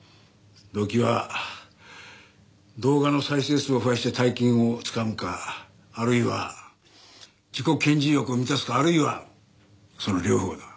動機は動画の再生数を増やして大金をつかむかあるいは自己顕示欲を満たすかあるいはその両方だ。